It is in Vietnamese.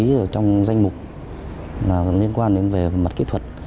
ma túy là trong danh mục liên quan đến về mặt kỹ thuật